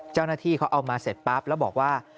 เจ้าหน้าที่เขาเอามาเสร็จปั๊บแล้วบอกว่า